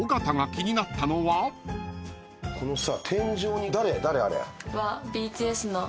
このさ。